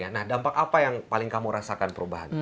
nah dampak apa yang paling kamu rasakan perubahan